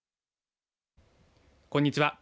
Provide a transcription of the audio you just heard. こんにちは。